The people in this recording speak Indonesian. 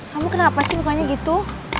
kamu kenapa sih mukanya gitu